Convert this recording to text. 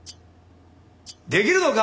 できるのか？